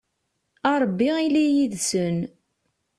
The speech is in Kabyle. a rebbi ili yid-sen